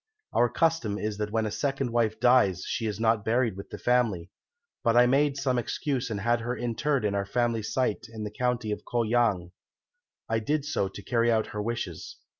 Our custom is that when a second wife dies she is not buried with the family, but I made some excuse and had her interred in our family site in the county of Ko yang. I did so to carry out her wishes.